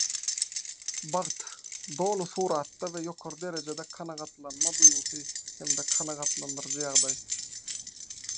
Bagt - Doly suratda we ýokary derejede kanagatlanma duýgusy hem-de kanagatlandyryjy ýagdaý.